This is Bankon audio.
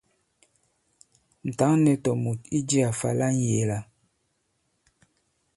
Ǹ tǎŋ nɛ̄ tòmùt i jiā fa la ŋyēe-la.